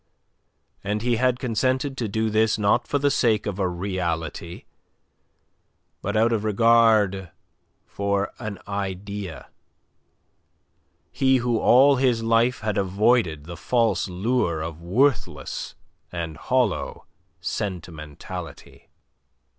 And he had consented to do this not for the sake of a reality, but out of regard for an idea he who all his life had avoided the false lure of worthless and hollow sentimentality.